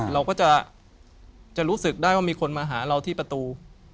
เราก็จะรู้สึกได้ว่ามีคนมาหาเราที่ประตู